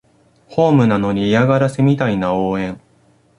ホームなのに嫌がらせみたいな応援